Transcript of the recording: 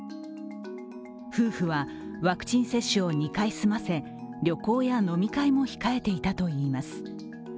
夫婦はワクチン接種を２回済ませ旅行や飲み会も控えていたといいます。